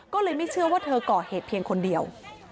ก็เลยไม่เชื่อว่าเธอก่อเหตุเพียงคนเดียว